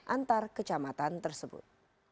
antar kecamatan tersebut